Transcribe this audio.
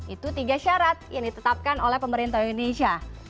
itu tiga syarat yang ditetapkan oleh pemerintah indonesia